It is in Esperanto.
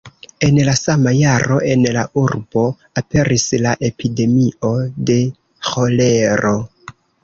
En la sama jaro en la urbo aperis la epidemio de ĥolero.